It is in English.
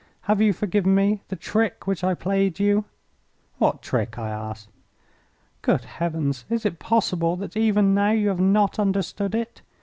Have you forgiven me the trick which I played you?" "What trick?" I asked. "Good heavens! Is it possible that even now you have not understood it?